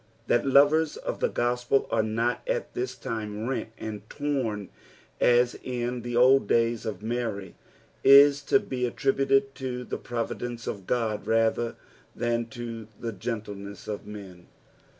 That lovers of the gospel are not at this time rent and torn as in the old days of Mary, is to be attributed to the providence of Qod rather than to the gentleness of men.